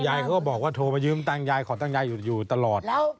ใครเค้าบอกว่าโทรมายืมตังยายของตังยายอยู่ตลอด